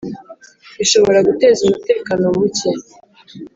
bishobora guteza umutekano muke